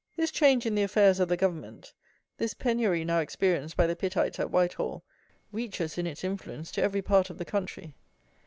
This change in the affairs of the Government; this penury now experienced by the Pittites at Whitehall, reaches, in its influence, to every part of the country.